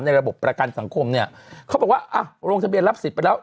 ระบบประกันสังคมเนี่ยเขาบอกว่าอ่ะลงทะเบียนรับสิทธิ์ไปแล้ว